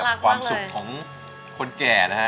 อันดับนี้เป็นแบบนี้